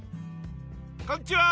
こんにちは！